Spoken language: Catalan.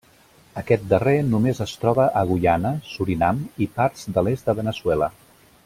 Aquest darrer només es troba a Guyana, Surinam i parts de l'est de Veneçuela.